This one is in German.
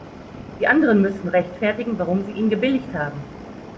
Die anderen müssen rechtfertigen, warum sie ihn gebilligt haben.